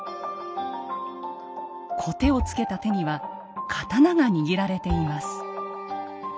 籠手をつけた手には刀が握られています。